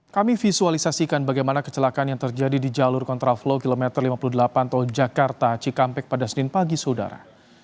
kami visualisasikan bagaimana kecelakaan yang terjadi di jalur kontraflow kilometer lima puluh delapan tol jakarta cikampek pada senin pagi saudara